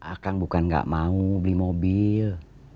akang bukan nggak mau beli mobil